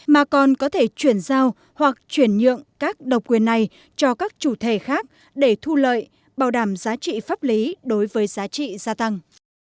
mà còn có thể chuyển giao hoặc chuyển nhượng các độc quyền này cho các chủ thể khác để thu lợi bảo đảm giá trị pháp lý đối với giá trị gia tăng